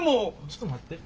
ちょっと待って。